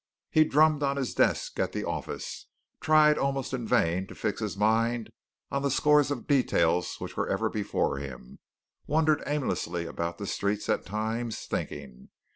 He drummed on his desk at the office, tried almost in vain to fix his mind on the scores of details which were ever before him, wandered aimlessly about the streets at times, thinking.